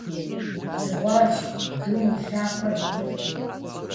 Дзыгъуэжь, дум и лъапэр умытӀ.